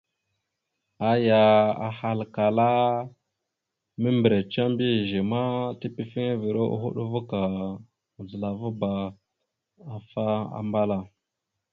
Aya ahalkala ya: « Membireca mbiyez ma, tepefiŋirava hoɗ ava ka mazləlavaba afa ambal a. ».